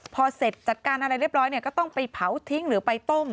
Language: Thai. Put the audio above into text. พอเสร็จจัดการอะไรเรียบร้อยเนี่ยก็ต้องไปเผาทิ้งหรือไปต้ม